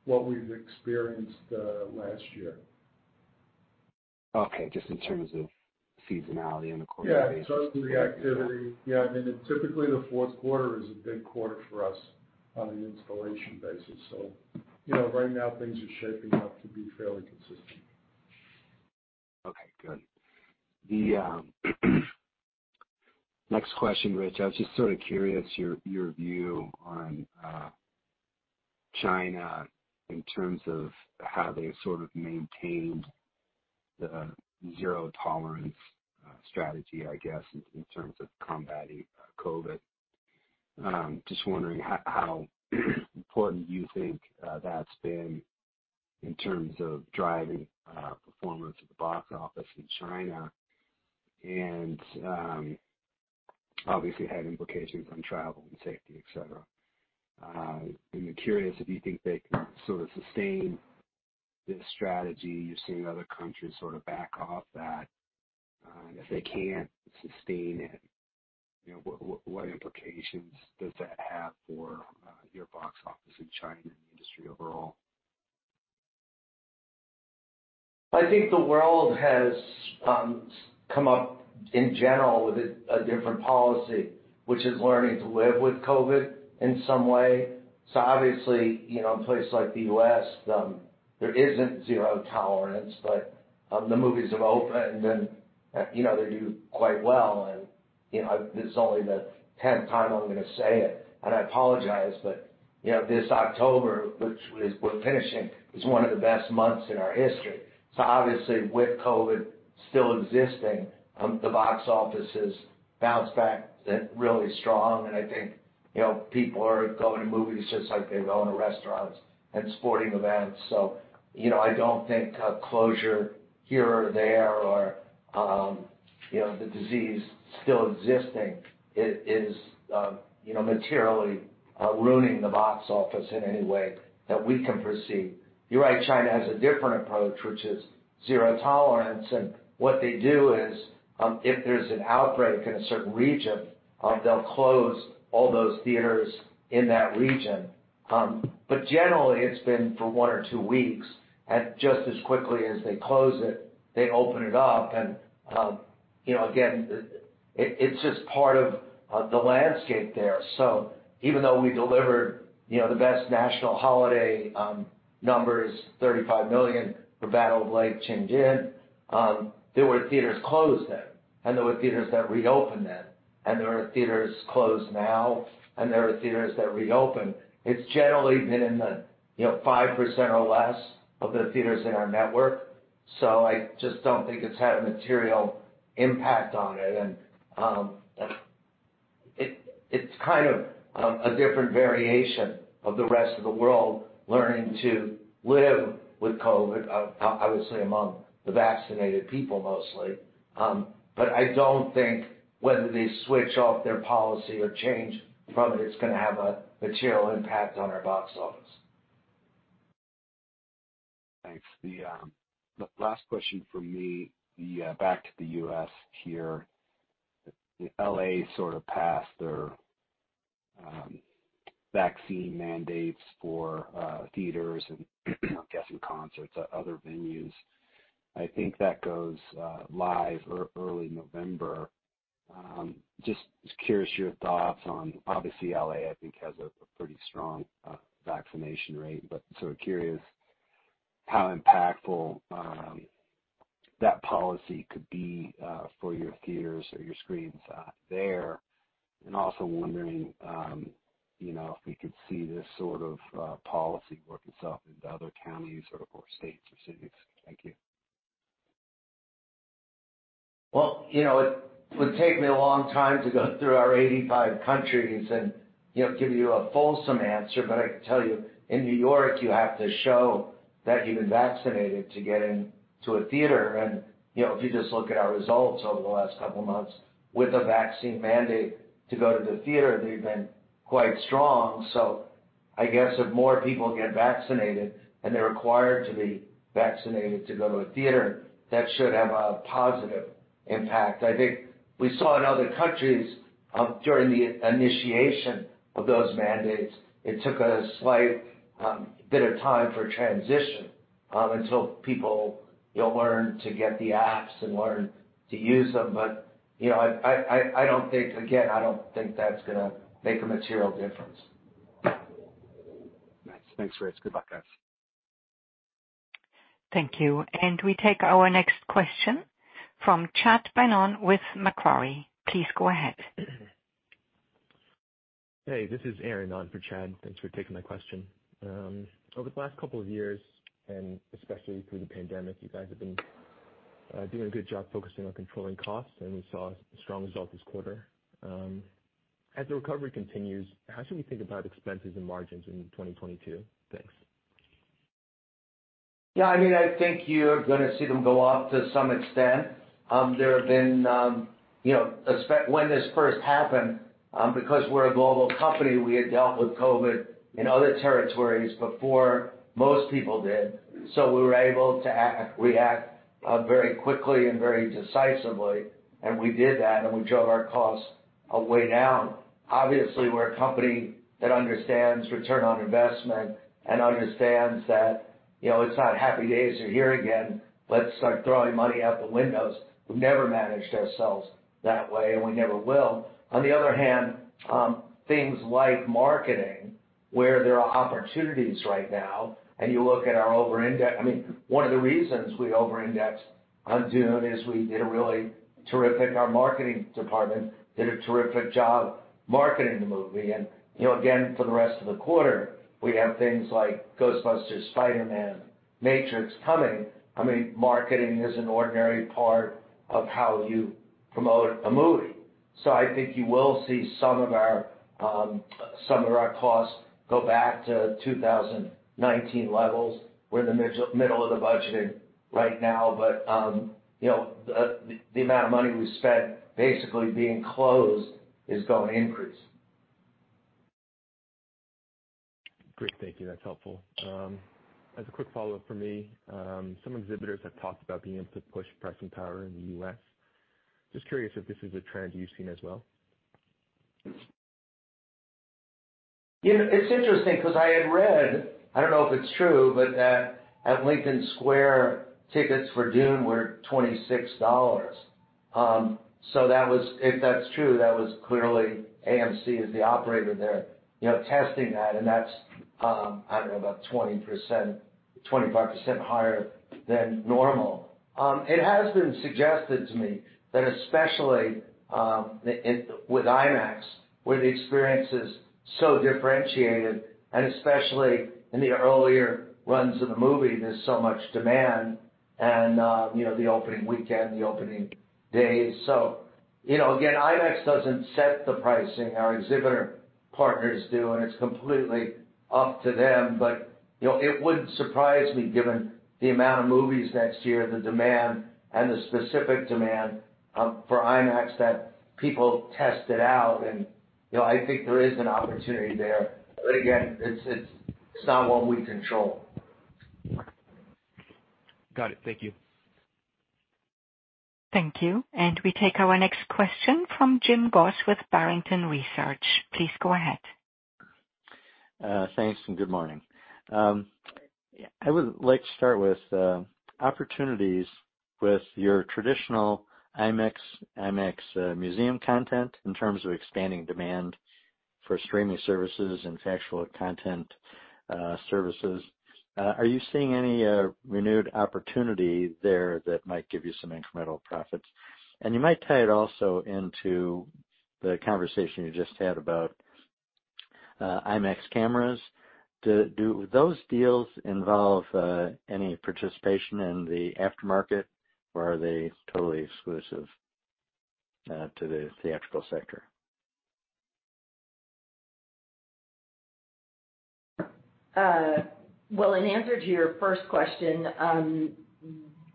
what we've experienced last year. Okay. Just in terms of seasonality and the quarter. I mean, typically the fourth quarter is a big quarter for us on an installation basis. You know, right now things are shaping up to be fairly consistent. Okay, good. The next question, Rich. I was just sort of curious your view on China in terms of how they sort of maintained the zero tolerance strategy, I guess, in terms of combating COVID. Just wondering how important you think that's been in terms of driving performance at the box office in China and obviously had implications on travel and safety, et cetera. I'm curious if you think they can sort of sustain this strategy. You've seen other countries sort of back off that. If they can't sustain it, you know, what implications does that have for your box office in China and the industry overall? I think the world has come up in general with a different policy, which is learning to live with COVID in some way. Obviously, you know, in places like the U.S., there isn't zero tolerance, but the movies have opened and, you know, they do quite well. You know, this is only the tenth time I'm gonna say it, and I apologize, but, you know, this October, which we're finishing, is one of the best months in our history. Obviously, with COVID still existing, the box office has bounced back really strong. I think, you know, people are going to movies just like they're going to restaurants and sporting events. You know, I don't think a closure here or there or, you know, the disease still existing is, you know, materially, ruining the box office in any way that we can foresee. You're right, China has a different approach, which is zero tolerance. What they do is, if there's an outbreak in a certain region, they'll close all those theaters in that region. But generally, it's been for one or two weeks. You know, again, it's just part of the landscape there. Even though we delivered, you know, the best national holiday numbers, $35 million for The Battle at Lake Changjin, there were theaters closed then, and there were theaters that reopened then, and there are theaters closed now, and there are theaters that reopened. It's generally been in the, you know, 5% or less of the theaters in our network. I just don't think it's had a material impact on it. It's kind of a different variation of the rest of the world learning to live with COVID, obviously among the vaccinated people mostly. I don't think whether they switch off their policy or change from it's gonna have a material impact on our box office. Thanks. The last question from me, back to the U.S. here. The L.A. sort of passed their vaccine mandates for theaters and I guess in concerts, other venues. I think that goes live early November. Just curious your thoughts on. Obviously, L.A., I think, has a pretty strong vaccination rate, but sort of curious how impactful that policy could be for your theaters or your screens out there. Also wondering, you know, if we could see this sort of policy work itself into other counties or, of course, states or cities. Thank you. Well, you know, it would take me a long time to go through our 85 countries and, you know, give you a fulsome answer. I can tell you, in New York, you have to show that you've been vaccinated to get into a theater. You know, if you just look at our results over the last couple of months with a vaccine mandate to go to the theater, they've been quite strong. I guess if more people get vaccinated and they're required to be vaccinated to go to a theater, that should have a positive impact. I think we saw in other countries during the initiation of those mandates, it took a slight bit of time for transition until people, you know, learn to get the apps and learn to use them. You know, I don't think... Again, I don't think that's gonna make a material difference. Thanks. Thanks, Rich. Good luck, guys. Thank you. We take our next question from Chad Beynon with Macquarie. Please go ahead. Hey, this is Aaron on for Chad. Thanks for taking my question. Over the last couple of years, and especially through the pandemic, you guys have been doing a good job focusing on controlling costs, and we saw a strong result this quarter. As the recovery continues, how should we think about expenses and margins in 2022? Thanks. Yeah, I mean, I think you're gonna see them go up to some extent. There have been, you know, when this first happened, because we're a global company, we had dealt with COVID in other territories before most people did, so we were able to react very quickly and very decisively, and we did that, and we drove our costs way down. Obviously, we're a company that understands return on investment and understands that, you know, it's not happy days are here again, let's start throwing money out the windows. We've never managed ourselves that way, and we never will. On the other hand, things like marketing, where there are opportunities right now, and you look at our overindex. I mean, one of the reasons we overindexed on Dune is our marketing department did a terrific job marketing the movie. You know, again, for the rest of the quarter, we have things like Ghostbusters, Spider-Man, Matrix coming. I mean, marketing is an ordinary part of how you promote a movie. I think you will see some of our costs go back to 2019 levels. We're in the middle of the budgeting right now, but you know, the amount of money we spent basically being closed is gonna increase. Great. Thank you. That's helpful. As a quick follow-up for me, some exhibitors have talked about being able to push pricing power in the U.S. Just curious if this is a trend you've seen as well. You know, it's interesting 'cause I had read, I don't know if it's true, but, at Lincoln Square, tickets for Dune were $26. If that's true, that was clearly AMC is the operator there, you know, testing that, and that's, I don't know, about 20%, 25% higher than normal. It has been suggested to me that especially, with IMAX, where the experience is so differentiated and especially in the earlier runs of the movie, there's so much demand and, you know, the opening weekend, the opening days. You know, again, IMAX doesn't set the pricing. Our exhibitor partners do, and it's completely up to them. You know, it wouldn't surprise me given the amount of movies next year, the demand and the specific demand, for IMAX that people test it out. You know, I think there is an opportunity there. Again, it's not one we control. Got it. Thank you. Thank you. We take our next question from Jim Goss with Barrington Research. Please go ahead. Thanks, and good morning. I would like to start with opportunities with your traditional IMAX museum content in terms of expanding demand for streaming services and factual content services. Are you seeing any renewed opportunity there that might give you some incremental profits? You might tie it also into the conversation you just had about IMAX cameras. Do those deals involve any participation in the aftermarket or are they totally exclusive to the theatrical sector? Well, in answer to your first question,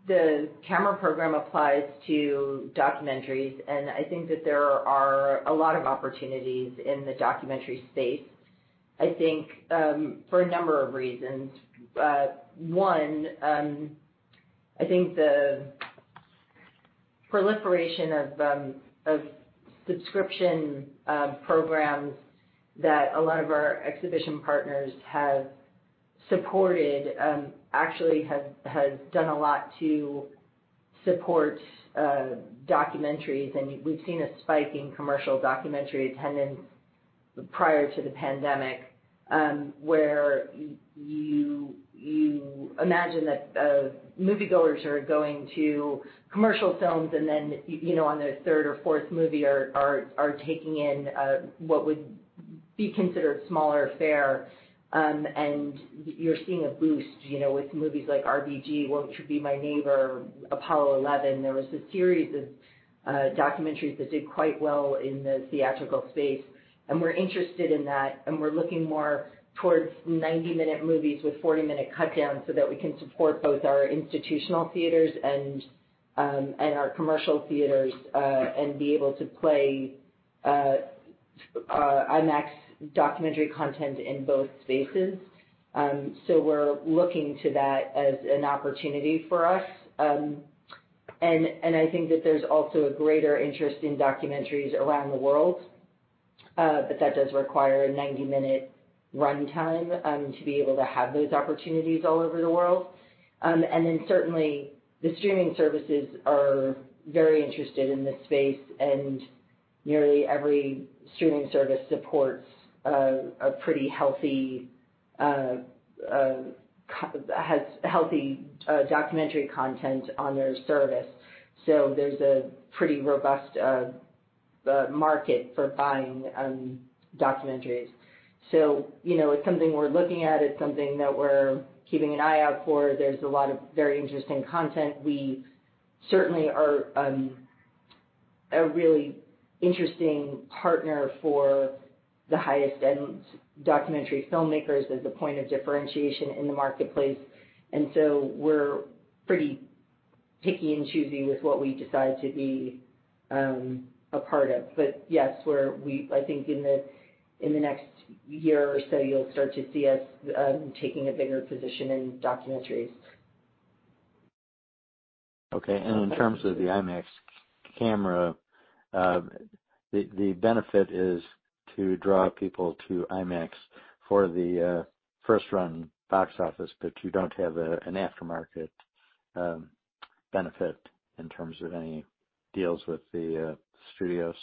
the camera program applies to documentaries, and I think that there are a lot of opportunities in the documentary space, I think, for a number of reasons. One, I think the proliferation of subscription programs that a lot of our exhibition partners have supported actually has done a lot to support documentaries. We've seen a spike in commercial documentary attendance prior to the pandemic, where you imagine that moviegoers are going to commercial films and then, you know, on their third or fourth movie are taking in what would be considered smaller fare. You're seeing a boost, you know, with movies like RBG, Won't You Be My Neighbor?, Apollo 11. There was a series of documentaries that did quite well in the theatrical space, and we're interested in that, and we're looking more towards 90-minute movies with 40-minute cut-downs so that we can support both our institutional theaters and our commercial theaters and be able to play IMAX documentary content in both spaces. We're looking to that as an opportunity for us. I think that there's also a greater interest in documentaries around the world, but that does require a 90-minute run time to be able to have those opportunities all over the world. Certainly the streaming services are very interested in this space, and nearly every streaming service supports pretty healthy documentary content on their service. There's a pretty robust market for buying documentaries. You know, it's something we're looking at. It's something that we're keeping an eye out for. There's a lot of very interesting content. We certainly are a really interesting partner for the highest-end documentary filmmakers as a point of differentiation in the marketplace. We're pretty picky in choosing with what we decide to be a part of. Yes, we're we I think in the next year or so, you'll start to see us taking a bigger position in documentaries. Okay. In terms of the IMAX camera, the benefit is to draw people to IMAX for the first run box office, but you don't have an aftermarket benefit in terms of any deals with the studios.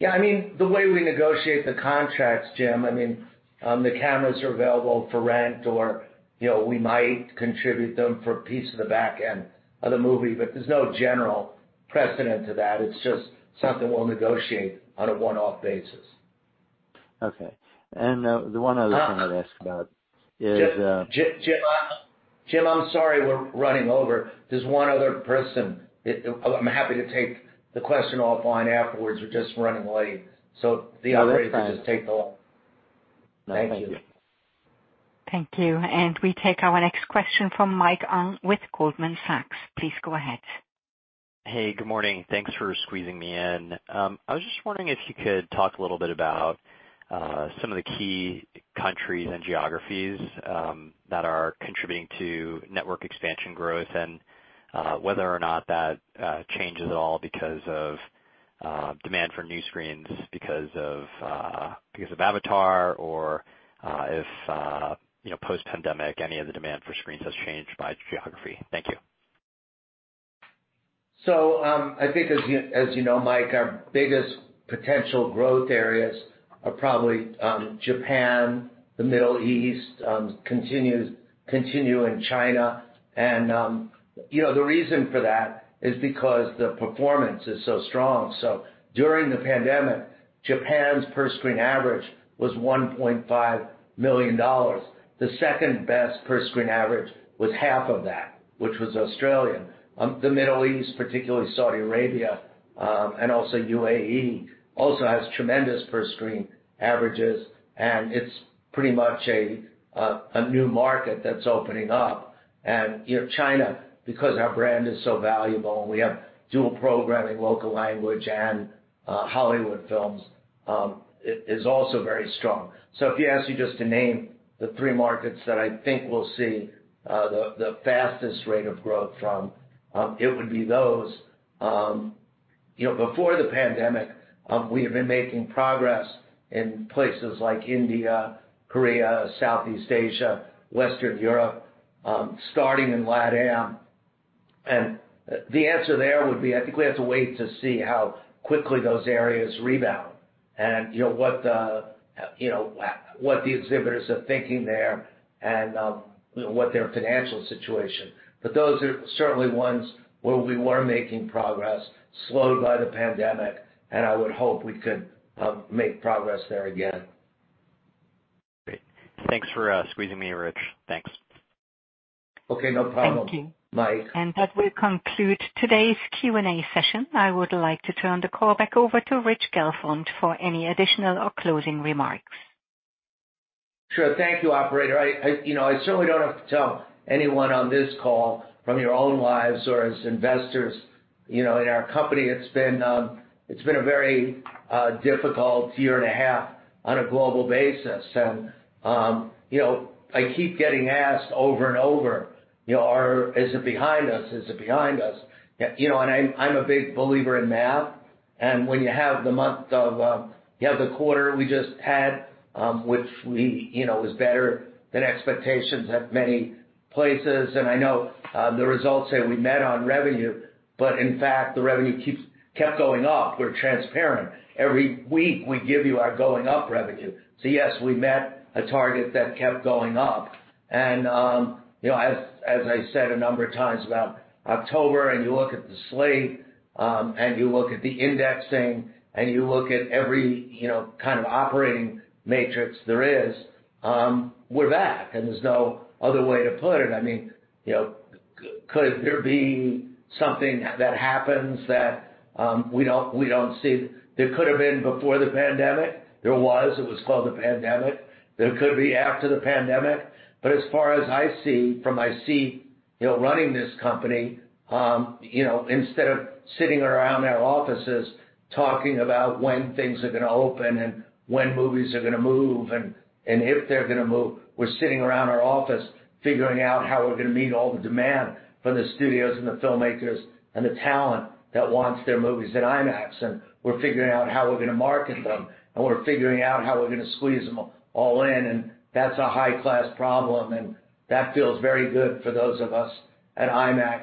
Yeah, I mean, the way we negotiate the contracts, Jim, I mean, the cameras are available for rent or, you know, we might contribute them for a piece of the back end of the movie, but there's no general precedent to that. It's just something we'll negotiate on a one-off basis. Okay. The one other thing I'd ask about is Jim, I'm sorry we're running over. There's one other person. I'm happy to take the question offline afterwards. We're just running late, so the operator can just take the line. No, thank you. Thank you. We take our next question from Mike Ng with Goldman Sachs. Please go ahead. Hey, good morning. Thanks for squeezing me in. I was just wondering if you could talk a little bit about some of the key countries and geographies that are contributing to network expansion growth and whether or not that changes at all because of demand for new screens because of Avatar or if you know post-pandemic any of the demand for screens has changed by geography. Thank you. I think as you know, Mike, our biggest potential growth areas are probably Japan, the Middle East, continue in China. You know, the reason for that is because the performance is so strong. During the pandemic, Japan's per-screen average was $1.5 million. The second-best per-screen average was half of that, which was Australia. The Middle East, particularly Saudi Arabia, and UAE, has tremendous per-screen averages, and it's pretty much a new market that's opening up. You know, China, because our brand is so valuable and we have dual programming, local language, and Hollywood films, is also very strong. If you ask me just to name the three markets that I think we'll see the fastest rate of growth from, it would be those. You know, before the pandemic, we have been making progress in places like India, Korea, Southeast Asia, Western Europe, starting in LatAm. The answer there would be, I think we have to wait to see how quickly those areas rebound and, you know, what the exhibitors are thinking there and, what their financial situation. But those are certainly ones where we were making progress slowed by the pandemic, and I would hope we could make progress there again. Great. Thanks for squeezing me in, Rich. Thanks. Okay, no problem. Thank you. Bye. That will conclude today's Q&A session. I would like to turn the call back over to Rich Gelfond for any additional or closing remarks. Sure. Thank you, operator. You know, I certainly don't have to tell anyone on this call from your own lives or as investors, you know, in our company it's been a very difficult year and a half on a global basis. You know, I keep getting asked over and over, you know, is it behind us? Is it behind us? You know, I'm a big believer in math, and when you have the quarter we just had, you know, which was better than expectations at many places. I know the results say we met on revenue, but in fact, the revenue kept going up. We're transparent. Every week, we give you our ongoing revenue. Yes, we met a target that kept going up. You know, as I said a number of times about October and you look at the slate, and you look at the indexing, and you look at every, you know, kind of operating matrix there is, we're back. There's no other way to put it. I mean, you know, could there be something that happens that we don't see? There could have been before the pandemic. There was. It was called the pandemic. There could be after the pandemic. As far as I see from my seat, you know, running this company, you know, instead of sitting around our offices talking about when things are gonna open and when movies are gonna move and if they're gonna move, we're sitting around our office figuring out how we're gonna meet all the demand from the studios and the filmmakers and the talent that wants their movies at IMAX. We're figuring out how we're gonna market them, and we're figuring out how we're gonna squeeze them all in, and that's a high-class problem. That feels very good for those of us at IMAX.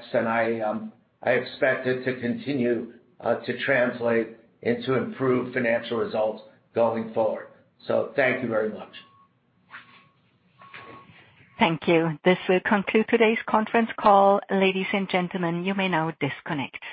I expect it to continue to translate into improved financial results going forward. Thank you very much. Thank you. This will conclude today's conference call. Ladies and gentlemen, you may now disconnect.